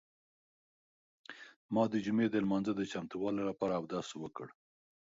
ما د جمعې د لمانځه د چمتووالي لپاره اودس وکړ.